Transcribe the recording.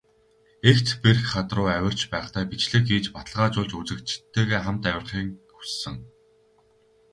Эгц бэрх хад руу авирч байхдаа бичлэг хийж, баталгаажуулж, үзэгчидтэйгээ хамт авирахыг хүссэн.